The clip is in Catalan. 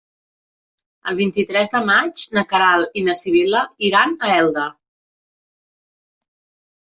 El vint-i-tres de maig na Queralt i na Sibil·la iran a Elda.